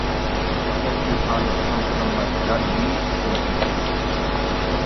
دەسلەپكى تالىپ ئاڭقىرالماي زادى نېمە ئىش ئىكەنلىكىنى سوراپتۇ.